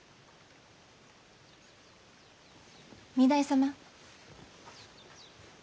・御台様。